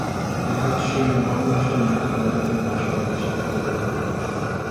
তাহারা সেই মহাপুরুষের নিকট অনেক দিন বাস করিয়া শিক্ষা গ্রহণ করিল।